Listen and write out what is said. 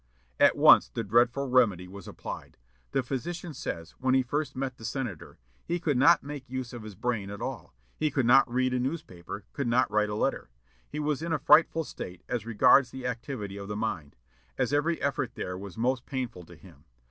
At once the dreadful remedy was applied. The physician says, when he first met the senator, "He could not make use of his brain at all. He could not read a newspaper, could not write a letter. He was in a frightful state as regards the activity of the mind, as every effort there was most painful to him....